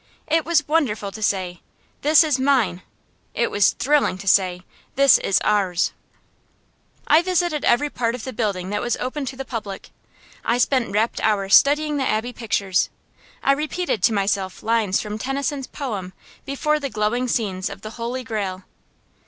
It was wonderful to say, This is mine; it was thrilling to say, This is ours. I visited every part of the building that was open to the public. I spent rapt hours studying the Abbey pictures. I repeated to myself lines from Tennyson's poem before the glowing scenes of the Holy Grail.